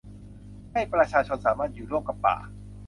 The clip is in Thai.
ให้ประชาชนสามารถอยู่ร่วมกับป่า